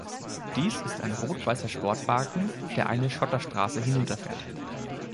Dies ist ein rot-weißer Sportwagen, der eine Schotterstraße hinunterfährt.